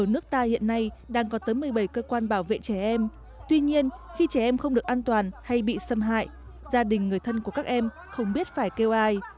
ở nước ta hiện nay đang có tới một mươi bảy cơ quan bảo vệ trẻ em tuy nhiên khi trẻ em không được an toàn hay bị xâm hại gia đình người thân của các em không biết phải kêu ai